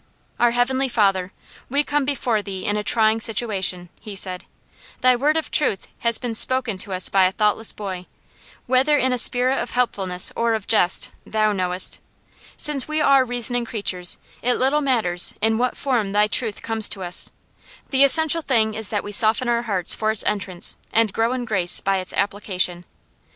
"Our Heavenly Father, we come before Thee in a trying situation," he said. "Thy word of truth has been spoken to us by a thoughtless boy, whether in a spirit of helpfulness or of jest, Thou knowest. Since we are reasoning creatures, it little matters in what form Thy truth comes to us; the essential thing is that we soften our hearts for its entrance, and grow in grace by its application.